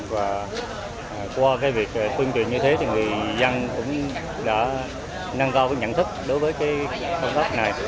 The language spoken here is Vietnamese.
và qua việc tuyên truyền như thế thì người dân cũng đã nâng cao cái nhận thức đối với cái công tác này